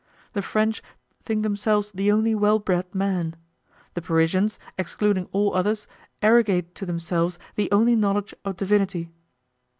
The French think themselves the only well bred men. The Parisians, excluding all others, arrogate to themselves the only knowledge of divinity.